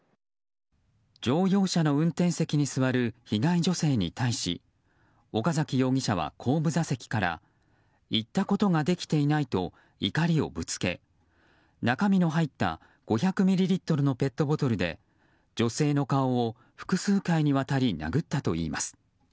乗用車の運転席に座る被害女性に対し岡崎容疑者は後部座席から言ったことができていないと怒りをぶつけ、中身の入った５００ミリリットルのペットボトルで女性の顔を複数回にわたり殴ったといいます。